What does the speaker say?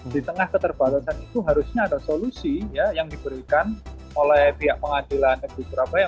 di tengah keterbatasan itu harusnya ada solusi yang diberikan oleh pihak pengadilan negeri surabaya